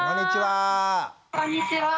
こんにちは。